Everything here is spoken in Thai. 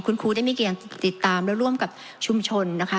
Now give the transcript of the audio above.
คุณครูได้มีการติดตามและร่วมกับชุมชนนะคะ